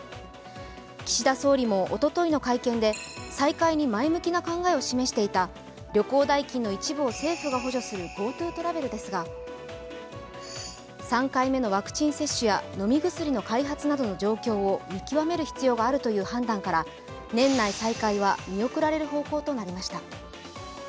岸田総理もおとといの会見で再開に前向きな考えを示していた旅行代金の一部を政府が補助するＧｏＴｏトラベルですが、３回目のワクチン接種や飲み薬の開発などの状況を見極める必要があるという判断から年内再開は見送られる方向となりました。